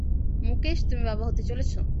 মুকেশ, তুমি বাবা হতে চলেছ।